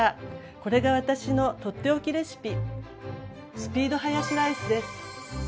これが私の取って置きレシピ「スピードハヤシライス」です。